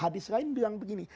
dari yang begini